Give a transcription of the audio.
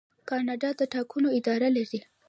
کاناډا د ټاکنو اداره لري.